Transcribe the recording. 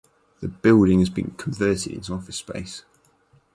The building has been converted into office space.